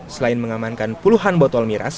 selain mengamankan puluhan botol miras